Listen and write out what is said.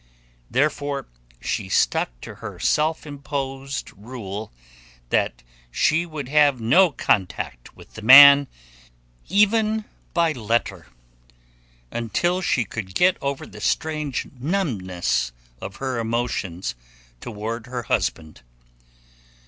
Therefore she stuck to her self imposed rule that she would have no contact with the man, even by letter, until she could get over the strange numbness of her emotions toward her husband.